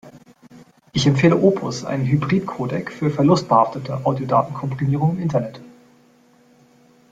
Ich empfehle Opus, einen Hybridcodec, für verlustbehaftete Audiodatenkomprimierung im Internet.